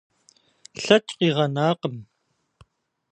Лъэкӏ къигъэнакъым.